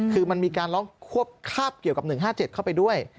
คือมันมีการร้องควบคาบเกี่ยวกับ๑๕๗เข้าไปด้วย